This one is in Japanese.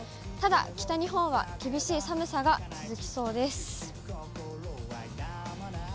ただ、北日本は厳しい寒さが続きそうです。